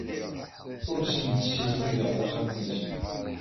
Ur asen-d-ssizdigeɣ taxxamt-nsen.